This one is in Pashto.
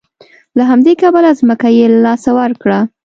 له همدې کبله ځمکه یې له لاسه ورکړه.